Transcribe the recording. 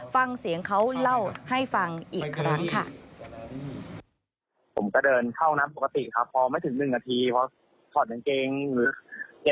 ฟังเสียงเขาเล่าให้ฟังอีกครั้งค่ะ